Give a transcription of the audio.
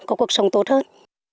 có cuộc sống tốt hơn